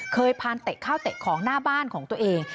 พานเตะข้าวเตะของหน้าบ้านของตัวเอง